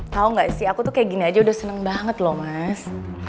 tau gak sih aku tuh kayak gini aja udah seneng banget loh mas